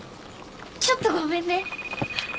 ちょっとごめんね。